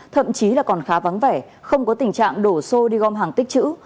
thậm chí là còn khá vắng vẻ không có tình trạng đổ xô đi gom hàng tích chữ